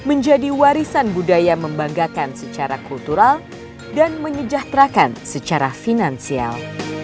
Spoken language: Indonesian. menjadi warisan budaya membanggakan secara kultural dan menyejahterakan secara finansial